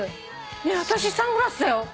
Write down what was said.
ねえ私サングラスだよ。